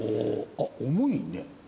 あっ重いね。